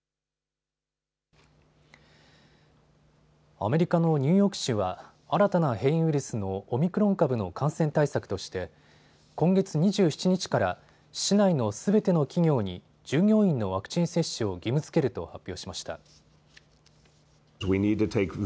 アメリカのニューヨーク市は新たな変異ウイルスのオミクロン株の感染対策として今月２７日から市内のすべての企業に従業員のワクチン接種を義務づけると発表しました。